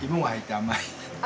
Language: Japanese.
甘い？